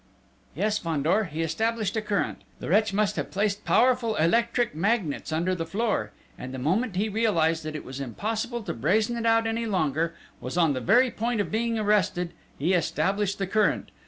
"Yes, Fandor, he established a current!... The wretch must have placed powerful electric magnets under the floor ... and the moment he realised that it was impossible to brazen it out any longer was on the very point of being arrested he established the current